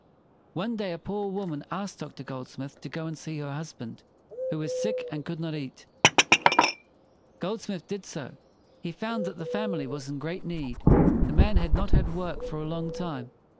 One day a poor woman asked Doctor Goldsmith to go and see her husband, who was sick and could not eat. Goldsmith did so. He found that the family was in great need. The man had not had work for a long time.